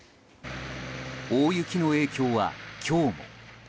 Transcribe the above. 大雪の影響は今日も。